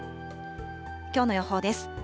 きょうの予報です。